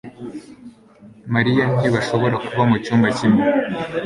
Mariya ntibashobora kuba mucyumba kimwe